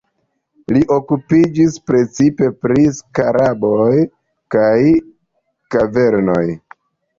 Li okupiĝis precipe pri skaraboj kaj kavernoj.